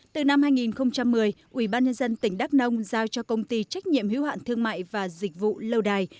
từ năm hai nghìn một mươi ubnd tỉnh đắk nông giao cho công ty trách nhiệm hiếu hạn thương mại và dịch vụ lâu đài